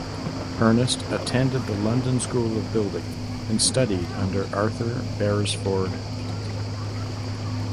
Ernest attended the London School of Building and studied under Arthur Beresford Pite.